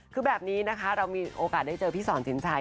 คือแบบนี้นะคะเรามีโอกาสได้เจอพี่สอนสินชัย